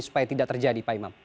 supaya tidak terjadi pak imam